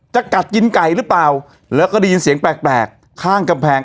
จะกัดกินไก่หรือเปล่าแล้วก็ได้ยินเสียงแปลกแปลกข้างกำแพง